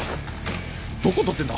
どこ撮ってんだ！